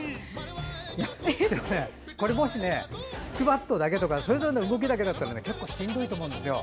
でもね、もしスクワットだけとかそれぞれの動きだけだったら結構しんどいと思うんですよ。